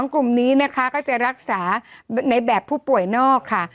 กลุ่มนี้นะคะก็จะรักษาในแบบผู้ป่วยนอกค่ะ